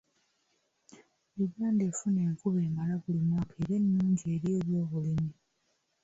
Uganda efuna enkuba emala buli mwaka era ennungi eri eby'obulimi.